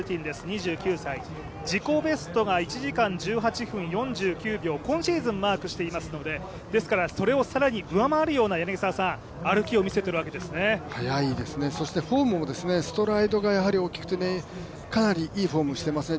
２９歳、自己ベストが１時間１８分４９秒、今シーズンマークしていますので、それを更に上回るような速いですね、しかもフォームもストライドが大きくてかなりいいフォームしてますね